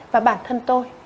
và bản thân tôi